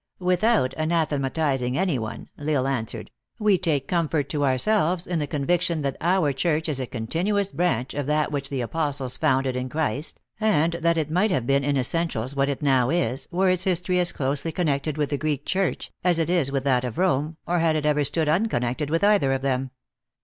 " Without anathematizing any one," L Isle answer ed, "we take comfort to ourselves, in the conviction that our church is a continuous branch of that which the Apostles founded in Christ, and that it might have been in essentials what it now is, were its history as closely connected with the Greek church, as it is with that of Rome, or had it ever stood unconnected with either of them.